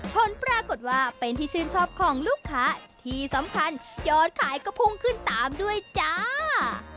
ผลปรากฏว่าเป็นที่ชื่นชอบของลูกค้าที่สำคัญยอดขายก็พุ่งขึ้นตามด้วยจ้า